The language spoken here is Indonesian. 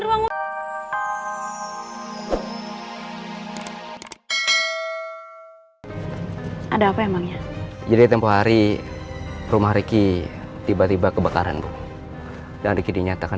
ada apa emangnya jadi tempoh hari rumah riki tiba tiba kebakaran dan riki dinyatakan